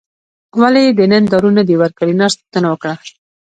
ولې دې نن دارو نه دي ورکړي نرس پوښتنه وکړه.